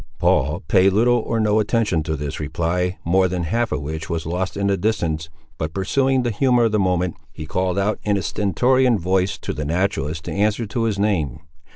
Paul paid little or no attention to this reply, more than half of which was lost in the distance, but pursuing the humour of the moment, he called out in a stentorian voice to the naturalist to answer to his name.